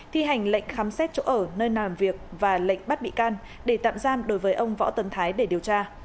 thi hành lệnh khám xét chỗ ở nơi làm việc và lệnh bắt bị can để tạm giam đối với ông võ tấn thái để điều tra